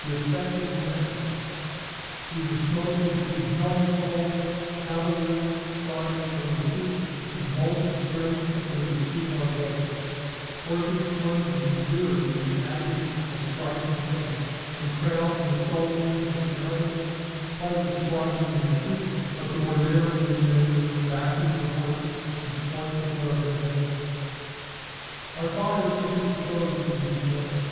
The effect was magical. Through the smoke we could see helmets falling, cavaliers starting from their seats with convulsive springs as they received our balls, horses plunging and rearing in the agonies of fright and pain, and crowds of the soldiery dismounted, part of the squadron in retreat, but the more daring remainder backing their horses to force them on our bayonets. Our fire soon disposed of these gentlemen.